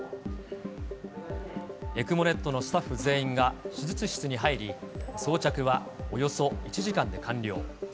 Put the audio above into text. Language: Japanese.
ＥＣＭＯｎｅｔのスタッフ全員が手術室に入り、装着はおよそ１時間で完了。